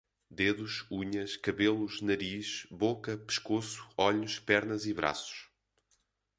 Dedos, unhas, cabelos, nariz, boca, pescoço, olhos, pernas e braços